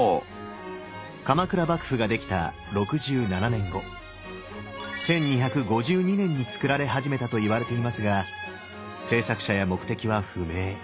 鎌倉幕府が出来た６７年後１２５２年につくられ始めたといわれていますが制作者や目的は不明。